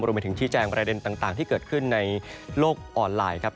รวมไปถึงชี้แจงประเด็นต่างที่เกิดขึ้นในโลกออนไลน์ครับ